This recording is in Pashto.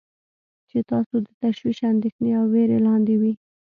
چې تاسو د تشویش، اندیښنې او ویرې لاندې وی.